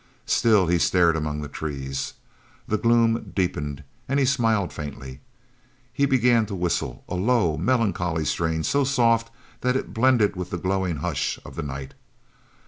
Still he stared among the trees. The gloom deepened, and he smiled faintly. He began to whistle, a low, melancholy strain so soft that it blended with the growing hush of the night.